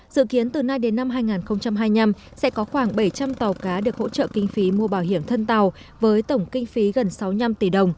dự kiến từ nay đến năm hai nghìn hai mươi năm sẽ có khoảng bảy trăm linh tàu cá được hỗ trợ kinh phí mua bảo hiểm thân tàu với tổng kinh phí gần sáu mươi năm tỷ đồng